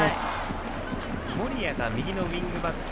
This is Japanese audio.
守屋が右のウイングバック。